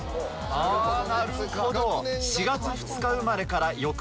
あなるほど。